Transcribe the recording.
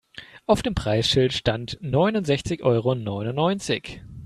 Auf dem Preisschild stand neunundsechzig Euro neunundneunzig.